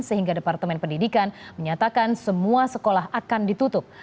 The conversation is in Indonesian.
sehingga departemen pendidikan menyatakan semua sekolah akan ditutup